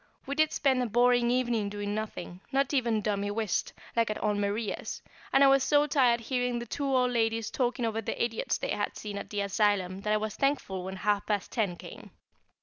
We did spend a boring evening doing nothing, not even dummy whist, like at Aunt Maria's, and I was so tired hearing the two old ladies talking over the idiots they had seen at the Asylum, that I was thankful when half past ten came.